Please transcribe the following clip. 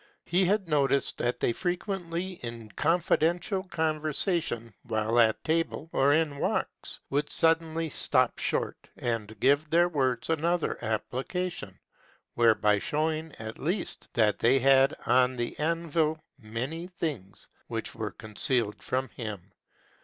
He had noticed, that they frequently in confidential con versation, while at table or in walks, would suddenly stop short, and give their words another application ; thereby showing, at least, that they had on the anvil many things which were concealed from him.